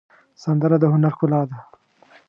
سندره د هنر ښکلا ده